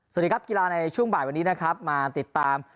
สวัสดีครับกีโลกิลาในช่วงบ่ายวันนี้มาติดตาม